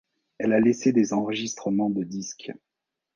Elle a laissé des enregistrements de disques.